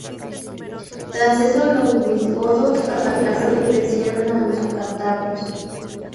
Tras eso los visigodos atacaron y vencieron a los cántabros.